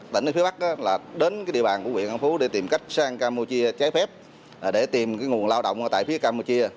tỉnh phía bắc đến địa bàn của huyện an phú để tìm cách sang campuchia trái phép để tìm nguồn lao động tại phía campuchia